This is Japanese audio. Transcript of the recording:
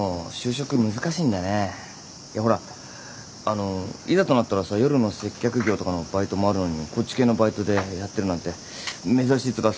いやほらあのいざとなったらさ夜の接客業とかのバイトもあるのにこっち系のバイトでやってるなんて珍しいっつうか